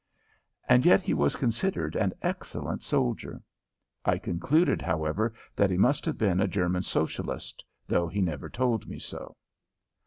And yet he was considered an excellent soldier. I concluded, however, that he must have been a German Socialist, though he never told me so.